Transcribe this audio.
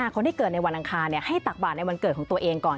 คนที่เกิดในวันอังคารให้ตักบาทในวันเกิดของตัวเองก่อน